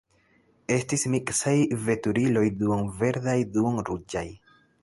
Estis miksaj veturiloj duon-verdaj, duon-ruĝaj.